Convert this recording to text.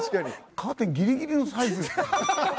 カーテンギリギリのサイズ。